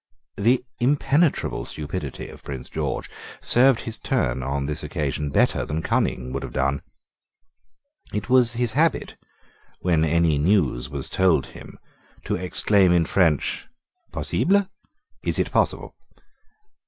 The impenetrable stupidity of Prince George served his turn on this occasion better than cunning would have done. It was his habit, when any news was told him, to exclaim in French, "possible?" "Is it possible?"